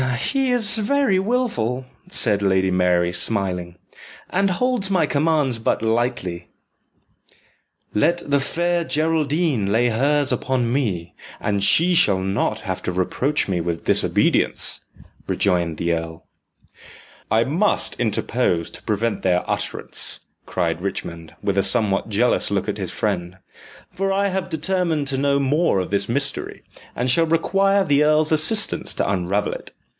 "He is very wilful," said Lady Mary, smiling, "and holds my commands but lightly." "Let the Fair Geraldine lay hers upon me, and she shall not have to reproach me with disobedience," rejoined the earl. "I must interpose to prevent their utterance," cried Richmond, with a somewhat jealous look at his friend, "for I have determined to know more of this mystery, and shall require the earl's assistance to unravel it.